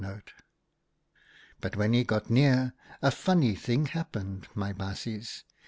But when he got near, a funny thing happened, my baasjes.